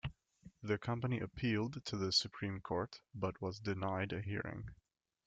The company appealed to the Supreme Court, but was denied a hearing.